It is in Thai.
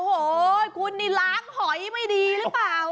โอ้โหคุณนี่ล้างหอยไม่ดีหรือเปล่า